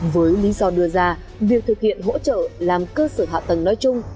với lý do đưa ra việc thực hiện hỗ trợ làm cơ sở hạ tầng nói chung